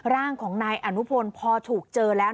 ร่างของนายอนุพลพอถูกเจอแล้ว